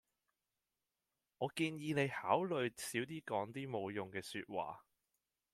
我建議你考慮少啲講啲冇乜用嘅說話